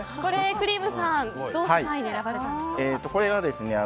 クリームさん、どうして３位に選ばれたんですか？